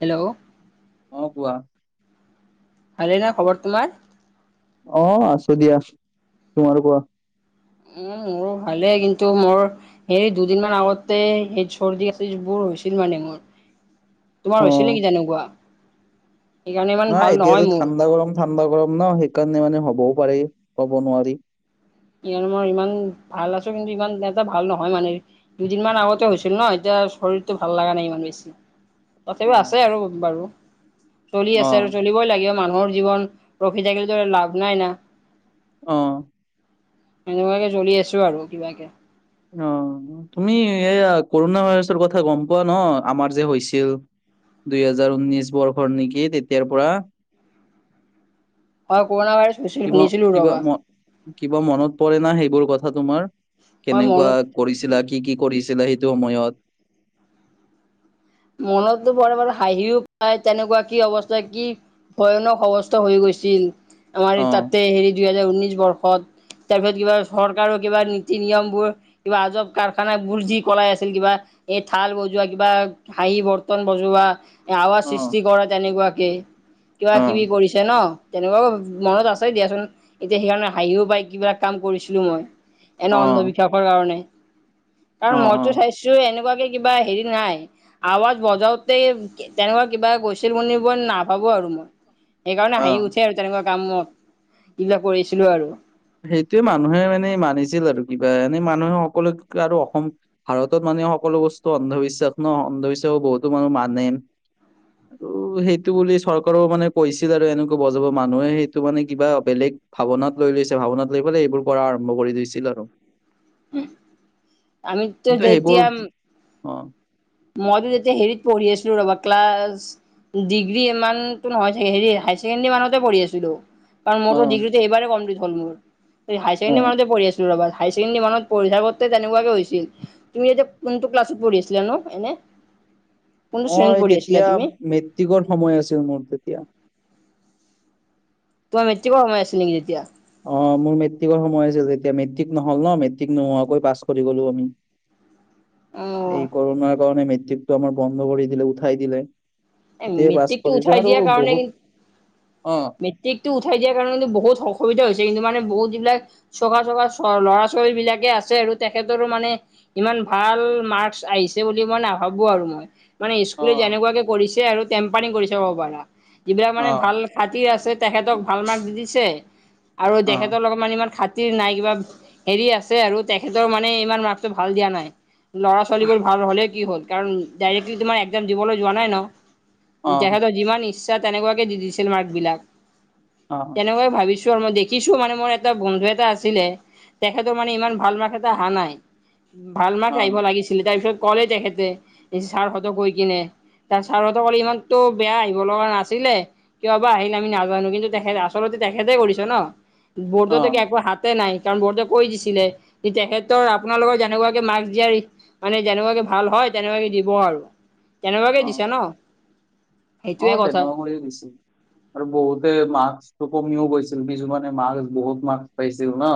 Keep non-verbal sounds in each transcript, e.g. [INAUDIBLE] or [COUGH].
Hello অ কোৱা ভালে নে খবৰ তোমাৰ? অ আছো দিয়া তোমাৰ পৰা উ মোৰো ভালেই কিন্তু মোৰ হে দুদিন মান আগতে সে চৰ্দি আছিল বোৰ হৈছিল মানে মোৰ অ। তোমাৰ হৈছিল নেকি তেনেকোৱা নহ এতিয়াতো ঠাণ্ডা গৰম ঠাণ্ডা গৰম ন সেইকাৰণে মানে হ'বও পাৰে। ক'ব নোৱাৰি সেইকাৰণে মই ইমান ভাল আছো কিন্তু ইমান এটা ভাল নহয় মানে দুদিনমান আগতে হৈছিল ন এতিয়া শৰীৰটো ভাল লগা নাই ইমান বেছি অ তথাপিও আছে আৰু বাৰু চলি অ আছে আৰু চলিবই লাগিব মানুহৰ জীৱন ৰখি থাকিল লাভ নাই না। অ হেনেকুৱাকে চলি আছো আৰু কিবাকে। অ। তুমি এয়া কৰোনা ভাইৰাছৰ কথা গম পোৱা ন আমাৰ যে হৈছিল। দুই হেজাৰ ঊনৈশ বৰ্ষৰ নেকি তেতিয়াৰ পৰা। অ কৰোণা ভাইৰাছ হৈছিল কিবা শুনিছিলো কিবা ৰবা ম কিবা মনত পৰে না সেইবোৰ কথা তোমাৰ মই কেনেকুৱা মনত কৰিছিলা কি কি কৰিছিলা সেই সেইটো সময়ত মনতো বৰ বাৰে হাঁহিও পায় তেনেকুৱা কি অৱস্থা কি ভয়ানক অৱস্থা হৈ গৈছিল আমাৰ অ তাতে হেৰি দুহেজাৰ ঊনৈশ বৰ্ষত। তাৰপিছত কিবা চৰকাৰৰ কিবা নীতি নিয়মবোৰ কিবা আজব কাৰখান বোৰ যি কৰাই আছিল কিবা এই থাল বজোৱা কিবা কাহি বৰ্তন বজোৱা আৱাজ অ সৃষ্টি কৰা তেনেকুৱাকে কিবা অ কিবি কৰিছে ন তেনেকুৱাও মনত আছে দিয়াচোন এতিয়া সেইকাৰণে হাঁহিও পায় কিবা কাম কৰিছিলো মই এনে অ অন্ধবিশ্বাসৰ কাৰণে কাৰণ অ মইতো অ চাইছো এনেকুৱাকে কিবা হেৰি নাই আৱাজ বজাওঁতে তেনেকুৱা কিবা গৈছিল বুলি মই নাভাবো আৰু মই। সেইকাৰণে অ। হাঁহি উঠে আৰু তেনেকুৱা কামত এইবিলাক কৰিছিলো আৰু। সেইটোয়ে মানুহে মানে মানিছিল আৰু কিবা এনেই মানুহে সকলো আৰু অসম ভাৰতত মান। সকলো বস্তু অন্ধবিশ্বাস ন অন্ধবিশ্বাসো বহুতো মানুহ মান। আৰু সেইটো বুলি চৰকাৰৰ মানে কৈছিল আৰু এনেকুৱা বজাব মানুহে সেইটো মানে কিবা বেলেগ। ভাৱনাত লৈ লৈছে ভাৱনাত লৈ পেলাই এইবোৰ কৰা আৰম্ভ কৰি দিছিল আৰু। আমিতটো কিন্তু সেইবোৰ যেতিয়া। অ মইতো যেতিয়া হেৰিত পঢ়ি আছিলো ৰবা ক্লাছ। ডিগ্ৰী ইমানটো নহয় চাগে হায়ছেকেণ্ডী মানতে পঢ়ি আছিলো। কাৰন অ মোৰো ডিগ্ৰিটো এইবাৰে কমপ্লট হল মোৰ অ হাইছাণ্ডৰি মানতে পঢ়ি আছিলো ৰবা। হাই ছেকণ্ডেৰী মানত পঢ়ি থাকোঁতে তেনেকুৱাকে হৈছিল তুমি এতিয়া কোনটো ক্লাছত পঢ়িছিলা নো। এনে। মই পঢ়ি আছিলা তেতিয়া তুমি মেট্ৰিকৰ সময় আছিল মোৰ তেতিয়া। তোমাৰ মেট্ৰিকৰ সময় আছিল নেকি তেতিয়া। অ মোৰ মেট্ৰিকৰ সময় আছিল তেতিয়া মেট্ৰিক নহ'ল ন মেট্ৰিক নোহোৱাকৈ পাছ কৰি গ'লো আমি। এই অ', কৰণাৰ কাৰণে মেট্ৰিকটো আমাৰ বন্ধ কৰি দিলে উঠাই দিলে। তেতিয়াই পাঁচ মেট্ৰিকটো কৰিছো আৰু বহুত। অ মেট্ৰিক টো উঠাই দিয়াৰ কাৰণে বহুত অসুবিধা হৈছে। কিন্তু মানে বহুত যিবিলাক চকা চকা ল'ৰা ছোৱালী বিলাকে আছে আৰু তেখেতৰো মানে ইমান। ভাল মাৰ্ক আহিছে বুলি মই নাভাবো আৰু মই। মানে অ স্কুলে যেনেকুৱাকে কৰিছে আৰু টেম্পাৰিং কৰি চাব পাৰা যিবিলাক অ মানে ভাল। খাতিৰ তেখেতক ভাল মাৰ্ক্স দিছে আৰু অ অ তেখেতক লগত মানে ইমান খাত। নাই কিবা হেৰি আছে আৰু তেখেতৰ মানে ইমান মাৰ্ক্সটো ভাল দিয়া নাই। ল'ৰা ছোৱালীবোৰ ভাল হ'লেই কি হ'ল কাৰণ ডাইৰেক্টলি তোমাৰ একজাম দিবলৈ যোৱা নাই ন। অ তেখেতৰ যিমান ইচ্ছা তেনেকুৱাকে দি দিছিল মাৰ্ক বিলাক অ তেনেকুৱাই ভাবিছো। আৰু মই দেখিছো মানে মোৰ এটা বন্ধু এটা আছিলে। তেখেতৰ মানে ইমান ভাল মাৰ্ক এটা অহা নাই ভাল মাৰ্ক অ আহিব লাগিছিলে তাৰপিছত। ক'লে তেখেতে ছাৰহঁতক গৈ কিনে। তাৰ ছাৰতে অলে ইমানতো বেয়া আহিব লগা নাছিলে। কিয় বা আহিল আমি নাজানো কিন্তু তেখেত আচলতে তেখেতে কৰিছে ন বৰ্ড একো হাতে নাই। কাৰণ বৰ্ডে কৈ দিছিলে কি তেখেতৰ আপোনালোকৰ যেনেকুৱাকে মাক্ক দিয়াৰ মানে যেনেকুৱাকে ভাল হয়। তেনেকুৱাকে দিব আৰু তেনেকুৱাকে অ দিছো ন। অ সেইটোৱে কথা তেনেকোৱাকে দিছে। আৰু বহুতে মাৰ্কচটো কমিও গৈছিল বিছুমানে মাৰ বহুত মাৰ পাইছিল ন।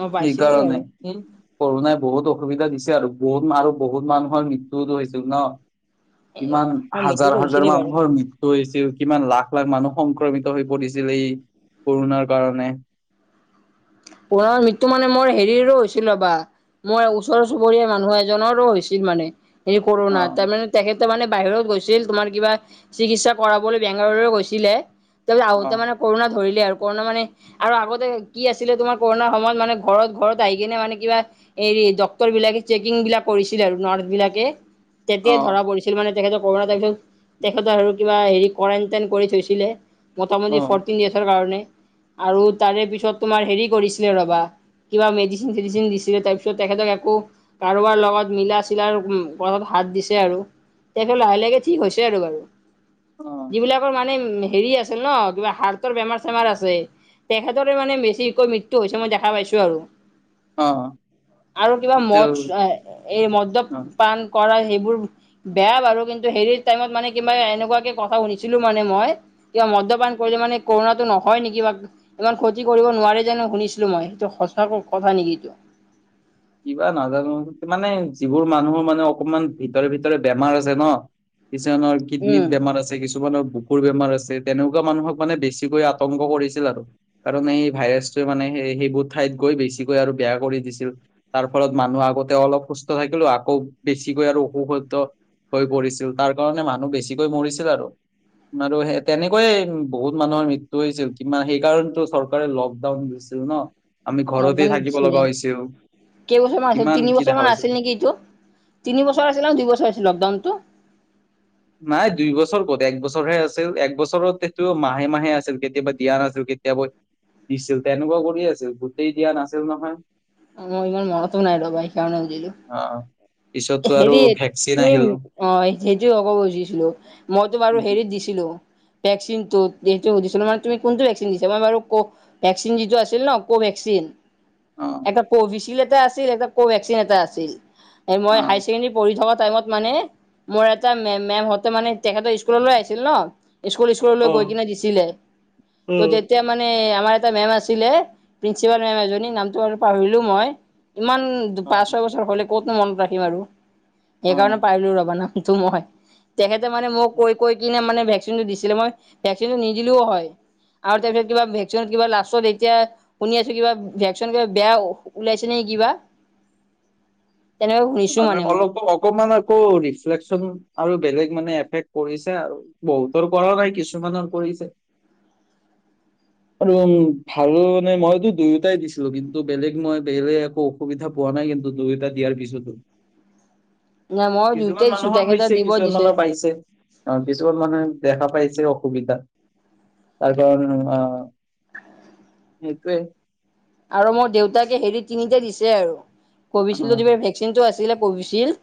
অ পাইছিলতো বাৰু সেইকাৰণে উম। কৰোণাই বহুত অসুবিধা দিছে আৰু বহুত আৰু বহুত মানুহৰ মৃত্যুও টো হৈছিল ন। ইমান এ হাজাৰ মৃত্যুটো হাজাৰ হৈছিলে বাৰু মানুহৰ মৃত্যু হৈছিল। কিমান লাখ লাখ মানুহ সংক্ৰমিত হৈ পৰিছিল এই কৰোণাৰ কাৰণে। [INAUDIBLE] ৱা মৃত্যু মানে মোৰ হেৰিৰো হৈছিল ৰ'বা। মই ওচৰ চুবুৰীয়া মানুহ এজনৰো হৈছিল মানে হেৰি অ কৰোণা তাৰমানে তেখেত। তাৰ মানে বাহিৰত গৈছিল তোমাৰ কিবা চিকিৎসা কৰাবলৈ বেংগালুৰু গৈছিলে। তাৰপিছত অ আহোতে মানে কৰোণা ধৰিলে আৰু কৰোণা মানে আৰু আগতে কি আছিলে তোমাৰ। সময়ত মানে ঘৰত ঘৰত আহি কিনে মানে কিবা সেৰি ডক্তৰ বিলাকে চেকিং বিলাক কৰিছিল আৰু ন। বিলাকে অ তেতিয়া ধৰা পৰিছিল মানে। তেখেতৰ কৰুণা ভাইৰাছে তেখেতৰ আৰু কিবা হেৰি কৰেণ্টাইন কৰি থৈছিলে। মতা মতি অ ফৰ্তিন ডেইছ কাৰণে আৰু তাৰে পিছত তোমাৰ হেৰি কৰিছিলে ৰবা। কিবা মেডিচিন চেডিচিন দিছিলে তাৰ পিছত তেখেতক আকৌ কাৰোবাৰ লগত মিলা চিলাৰ। হাত দিছে আৰু, তেখেত লাহে লাহে ঠিক হৈছে আৰু। অ যিবিলাকৰ মানে হেৰি আছিল ন কিবা হাৰ্টৰ বেমাৰ চেমাৰ আছে তেখেতৰে মানে বেছিকৈ মৃত্যু। হৈছে মই দেখা পাইছো আৰু। অ আৰু কিবা মদ ত- এই অ মদ্যপান কৰা সেইবোৰ। বেয়া বাৰু কিন্তু হেৰীত টাইমত মানে কিবা এনেকুৱাকে কথা শুনিছিলো মানে মই কিবা মদ্যপান কৰিলে মানে কৰোণাটো নহয় নেকি ইমান ক্ষতি কৰিব নোৱাৰে যেন শুনিছিলো মই এইটো সঁচা কথা নেকি এইটো কিবা নাজানো মানে যিবোৰ মানুহৰ মানে অকমান ভিতৰে ভিতৰে বেমাৰ আছে ন কিছুমানৰ কিডনিত উম বেমাৰ আছে কিছুমানৰ বুকুৰ বেমাৰ আছে তেনেকোৱা মানুহক মানে বেছিকৈ আতংক কৰিছিল আৰু কাৰণ এই ভাইৰাছটোৱে মানে সে সেইবোৰ ঠাইত গৈ বেছিকৈ আৰু বেয়া কৰি দিছিল। তাৰ ফলত মানুহ আগতে অলপ সুস্থ থাকিলো আকৌ বেছিকৈ আৰু অসুস্থ হৈ পৰিছিল তাৰ কাৰণে মানুহ বেছিকৈ মৰিছিল আৰু। আৰু সেই তেনেকৈ বহুত মানুহৰ মৃত্যু হৈছিল কিমান সেইকাৰণেটো চৰকাৰে লকডাউন দিছিল ন আমি লকডাউন ঘৰতেই থাকিব দিছিলে লগা হৈছিল। কেইবছৰমান আছিল কিমান তিনি কি দেখা বছৰমান পাইছিল আছিল নেকি এইটো তিনি বছৰ আছিল দুইবছৰ আছিল লকডাউন টো নাই দুই বছৰ ক'ত এক বছৰ হে আছিল এক বছৰত সেইটো মাহে মাহে আছিল কেতিয়াবা দিয়া নাছিল। কেতিয়াবা দিছিল। তেনেকুৱা কৰি আছিল গোটেই দিয়া নাছিল নহয়। অ ইমান মনটো নাই ৰবা সেইকাৰণে সুধিলো। পিছতটো আৰু ভেকচ তুমি অ সেইটোৱে ক'ব খুজিছিলো মইতো বাৰু হেৰীত দিছিলো ভেক্সিনটোত যিটো সুধিছিলো, মানে তুমি কোনটো ভেক্সিন দিছে। মই বাৰু কু ভেক্সিন যিটো আছিল ন কু ভেক্সিন চিন। অ এটা কোভিচিল্ড এটা আছিল এটা কোভেক্সিন এটা আছিল এ মই হায় ছেকেণ্ডৰী পঢ়ি থকা টাইমত মানে মোৰ এটা মেমে হওঁতে মানে তেখেতৰ স্কুললৈ আহিছিল ন স্কুল স্কুললৈ অ অ গৈ কিনে দিছিলে ত' তেতিয়া মানে আমাৰ এটা মেম আছিলে প্ৰিন্সিপাল মেম এজনী নামটো বাৰু পাহৰিলো মই। ইমান অ পাঁচ ছয় বছৰ হ'লে ক'তনো মনত ৰাখিম আৰু অ সেইকাৰণে পাহৰিলো ৰবা নাম হয়। তেখেতে মানে মই অ কৈ কৈ কিনে মানে ভেক্সিনটো দিছিলে মই ভেক্সিনটো নিদিলেও হয়। আৰু তাৰপিছত কিবা ভেক্সিনত কিবা লাষ্টত এতিয়া শুনি আছোঁ কিবা ভেক্সিনত কিবা বেয়া ওলাইছে নে কিবা। তেনেকে শুনিছো মানে মই। অলপ অকমান আকৌ ৰিফ্লেকচন আৰু বেলেগ মানে এফেক্ট কৰিছে আৰু বহুতৰ কৰা নাই কিছুমানৰ কৰিছে। আৰু উম ভাল মানে মইটো দুয়োটাই দিছিলো কিন্তু বেলেগ মই বেলেগ একো অসুবিধা পোৱা নাই কিন্তু দুয়োটা দিয়াৰ পিছতো। নাই মই দিওঁতে কিছুমান দিছো মানুহৰ তেখেতে হৈছে দিব কিছুমান দিছে। মানুহে পাইছে অ কিছুমান মানুহে দেখা পাইছে। অসুবিধা তাৰ কাৰণ অ। সেইটোৱেই। আৰু মই দেউতাকে হেৰি তিনিটা দিছে আৰু, কবিছিলে আহ দিবা ভেক্সিনটো আঁচ ছিলে কোভিছিল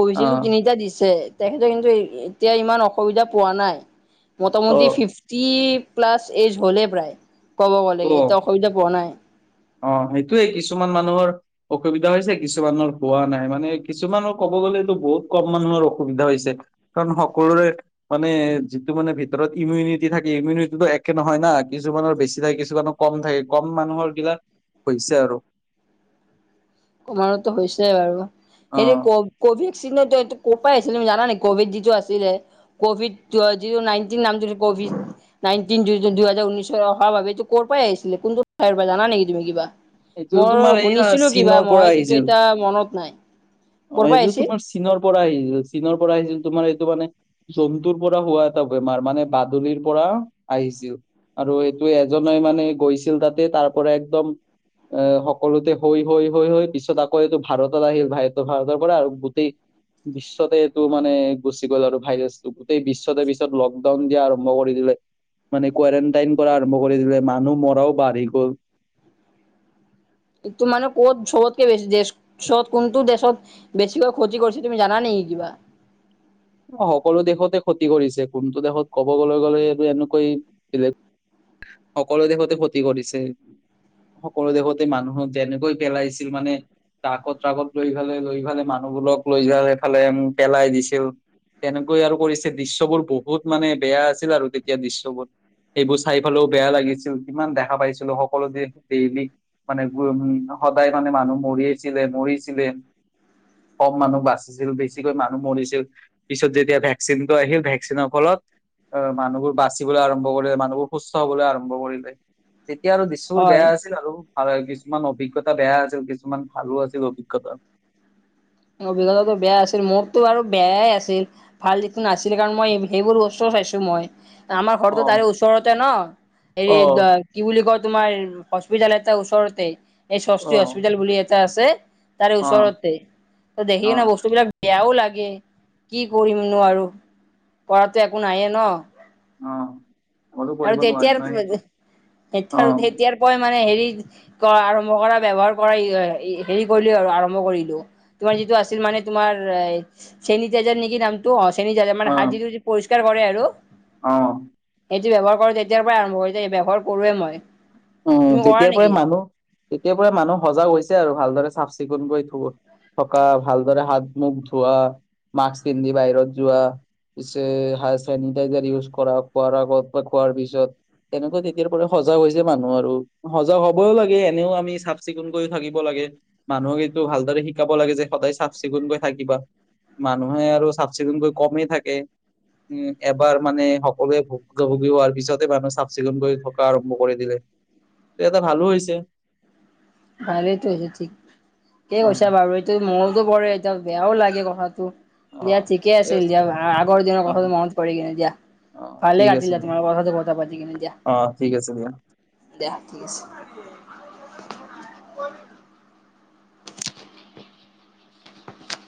কোভিছিল আহ তিনিটা দিছে তেখেতে কিন্তু এতিয়া ইমান অসুবিধা পোৱা নাই অ মোটামুটি ফিফটি প্লাছ এইজ হ'লেই প্ৰায় ক'ব গ'লেগে অ এতিয়া অসুবিধা পোৱা নাই অ সেইটোৱে কিছুমান মানুহৰ অসুবিধা হৈছে কিছুমানৰ হোৱা নাই মানে কিছুমানৰ ক'ব ক'ব গলেতো বহুত কম মানুহৰ অসুবিধা হৈছে কাৰণ সকলোৰে মানে যিটো মানে ভিতৰত ইমিউনিটি থাকে ইমিউনিটিটো একে নহয় না কিছুমানৰ বেছি থাকে কিছুমানৰ কম থাকে কম মানুহৰ বিলাক হৈছে আৰু তোমাৰটো হৈছে বাৰু অ হেৰী ক কবি ছিলে এইটো এইটো ক'পা আহিছিলে তুমি জানা নেকি কভিড যিটো আছিলে কভিড য যিটো নাইন টিন নাম যিটো কভিড নাইন টিন দু দু দুহেজাৰ ঊনৈশত অহাৰ বাবে এইটো কৰ পৰা আহিছিলে কোনটো ঠাইৰ পৰা জানা নেকি তুমি কিবা এইটো মই তোমাৰ এইয়া শুনিছিলো কিবা চীনৰ পৰা মই কিন্তু আহিছিল এতিয়া মনত নাই। অ ক'ৰ পৰা এইটো আহিছিল তোমাৰ চীনৰ পৰা আহিছিল। চীনৰ পৰা আহিছিল তোমাৰ। টো মানে জন্তুৰ পৰা হোৱা এটা বেমাৰ মানে বাদুলিৰ পৰা আহিছ আৰু ত এজনে মানে গৈছিল তাতে তাৰ পৰা একদম এ সকলোতে হৈ হৈ হৈ হৈ পিছত আকৌ এইটো ভাৰতত আহিল ভাই। ভাৰতৰ পৰা আৰু গোটেই বিশ্বতে এইটো মানে গুচি গ'ল আৰু ভাইৰাছটো গোটেই বিশ্বতে পিছত লকডাউন দিয়া আৰম্ভ কৰি দিলে। মানে কোৱাৰেণ্টাইন কৰা আৰম্ভ কৰি দিলে মানুহ মৰাও বাঢ়ি গ'ল। তু মানে ক'ত চবতকে বেছি দেশ, চত কোনটো দেশত বেছিকভৈ ক্ষতি কৰিছে তুমি জানানি? কি কিবা? [UNINTELLIGIBLE] সকলো দেশতে ক্ষতি কৰিছে, কোনটো দেশত ক'ব গলে গ'লেটো এনেকৈ বেলেগ সকলো দেশতে ক্ষতি কৰিছে। সকলো দেশতে মানুহক যেনেকৈ পেলাইছিল মানে ট্ৰাকত ট্ৰাকত লৈ ফেলে লৈ ফালে মানুহ বুলক লৈ যাই সেফালে মোক পেলাই দিছিল। তেনেকৈ আৰু কৰিছে দৃশ্যবোৰ বহুত মানে বেয়া আছিল আৰু তেতিয়া দৃশ্যবোৰ। সেইবোৰ চাই পালেও বেয়া লাগিছিল কিমান দেখা পাইছিলো সকলো ডেইলি মানে উম। সদায় মানে মানুহ মৰিয়েছিলে মৰিছিলে। কম মানুহ বাচিছিল, বেছিকৈ মানুহ মৰিছিল। পিছত যেতিয়া ভেকচিনটো আহিল, ভেকচিনৰ ফলত আহ মানুহবোৰ বাচিবলৈ আৰম্ভ কৰিলে, মানুহবোৰ সুস্থ হবলৈ আৰম্ভ কৰিলে। তেতিয়া আৰু দৃশ্যবোৰ হয় বেয়া আছিল আৰু। আৰে কিছুমান অভিজ্ঞতা বেয়া আছিল কিছুমান ভালো আছিল অভিজ্ঞতা। অভিজ্ঞতাটো বেয়া আছিল, মোৰতো আৰু বেয়াই আছিল ভাল যিটো নাছিলে কাৰণ মই সেইবোৰ উচ্চ ভাবিছো মই, আমাৰ অ ঘৰটো তাৰে ওচৰতে ন হেৰি অ কি বুলি কয় তোমাৰ হস্পিতাল এটা ওচৰতে এই সস্তি অ অ হস্পিতাল বুলি এটা আছে। তাৰে ওচৰতে, ত দেখি অ কি ন বস্তুবিলাক [INAUDIBLE] এও লাগে, কি কৰিমনো আৰু কৰাটো একো নায়েই ন। অ মইতো আৰু কৰিব নোৱাৰিম তেতিয়াৰ ন সেইটো অ তেতিয়াৰ প মানে হেৰি কৰা আৰম্ভ কৰা, ব্যৱহাৰ কৰা হে হেৰি কৰিলো আৰু আৰম্ভ কৰিলো। তোমাৰ যিটো আছিল মানে তোমাৰ চেনিটাইজাৰ নেকি নামটো অ চেনিটাইজাৰ মানে অ হাত যিটো প ৰ কৰে আৰু অ। এইটো ব্যৱহাৰ কৰোঁ তেতিয়াৰ পৰাই আৰম্ভ কৰি যে ব্যৱহাৰ কৰোৱেই মই। অ তুমি কৰা যেতিয়াৰ পৰাই নেকি মানুহ তেতিয়াৰ পৰা মানুহ সজাগ হৈছে। তে আৰু ভালদৰে চাফ -চিকুণ কৰি থ থকা, ভালদৰে হাত- মুখ ধোৱা, মাস্ক পিন্ধি বাহিৰত যোৱা পিছে চেনিটাইজাৰ ইউজ কৰা খোৱাৰ আগত বা খোৱাৰ পিছত তেনেকুৱা তেতিয়াৰ পৰা সজাগ হৈছে মানুহ আৰু সজাগ হবও লাগে এনেও আমি চাফ চিকুণ কৰিও থাকিব লাগে মানুহক এইটো ভালদৰে শিকাব লাগে যে সদায় চাফ -চিকুণকৈ থাকিবা। মানুহে আৰু চাফ- চিকুণকৈ কমেই থাকে। উম এবাৰ মানে সকলোৱে ভো ভুগিব হোৱাৰ পিছতে মানুহ চাফ -চিকুনকৈ থকা আৰম্ভ কৰে। দিলে, তে এটা ভালো হৈছে। ভালেইটো হৈছে, ঠিক কি অ, কৈছা বাৰু এইটো মইও টো কৰে, এতিয়া বেয়াও লাগে কথাটো। অ, দিয়া ঠিকে আছিল আছে। দিয়া আগৰ দিনৰ অ, কথা মনত পৰি কিনে দিয়া। অ, ভালে ঠিক আছে লাগিলে দিয়া। তোমাৰ লগত কথা পাতি কেনে দিয়া। অ, ঠিক আছে দিয়া। দেহা ঠিক আছে।